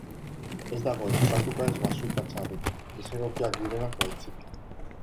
Ez dago ez patuka ez babuxa txarrik, desegokiak direnak baizik.